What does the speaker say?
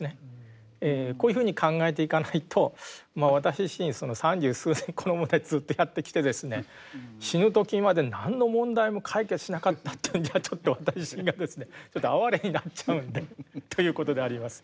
こういうふうに考えていかないと私自身三十数年この問題ずっとやってきてですね死ぬ時まで何の問題も解決しなかったというんじゃちょっと私自身がですねちょっと哀れになっちゃうんで。ということであります。